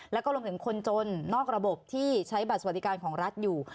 แล้วก็รวมถึงคนจนนอกระบบที่ใช้บัตรสวัสดิการของรัฐอยู่